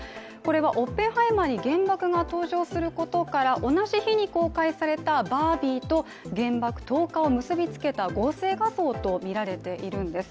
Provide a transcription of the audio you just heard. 「オッペンハイマー」に原爆が登場することから、同じ日に公開された「バービー」と原爆投下を結び付けた合成画像とみられているんです。